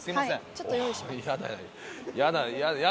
ちょっと用意します。